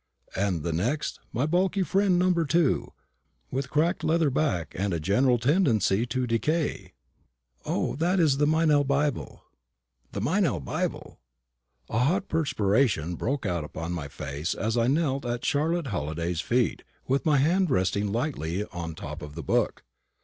"And the next, my bulky friend number two, with a cracked leather back and a general tendency to decay?" "O, that is the Meynell Bible." The MEYNELL BIBLE! A hot perspiration broke out upon my face as I knelt at Charlotte Halliday's feet, with my hand resting lightly on the top of the book.